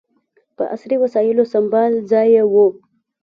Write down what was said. په عصري وسایلو سمبال ځای یې و.